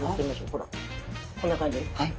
ほらこんな感じ。